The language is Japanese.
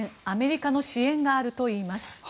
アメリカの支援があるといいます。